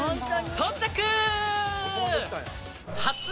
到着！